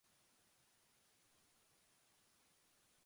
Some time later he became a tutor to a wealthy person.